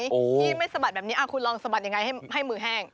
ที่ไม่สะบัดแบบนี้คุณลองสะบัดยังไงให้มือแห้ง